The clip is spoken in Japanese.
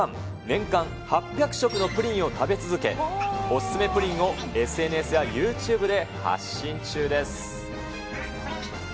年間８００食のプリンを食べ続け、おススメプリンをＳＮＳやユーチューブで発信中です。